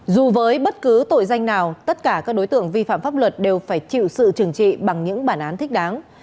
dù với bất cứ tội danh nào tất cả các đối tượng vi phạm pháp luật đều phải chịu sự trừng trị bằng những bản án thích đáng